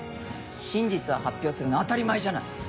真実を発表するの当たり前じゃない。